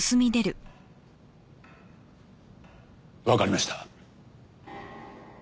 わかりました。